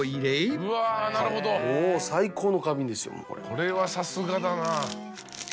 これはさすがだな。